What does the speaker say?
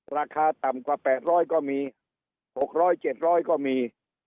ราคาต่ำกว่า๘๐๐ก็มี๖๐๐๗๐๐ก็มี